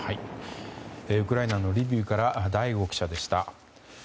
ウクライナのリビウから醍醐記者でした。